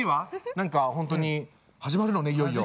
何か本当に始まるのねいよいよ。